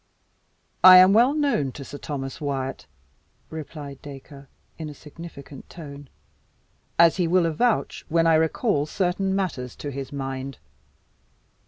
"I am well known to Sir Thomas Wyat," replied Dacre, in a significant tone, "as he will avouch when I recall certain matters to his mind.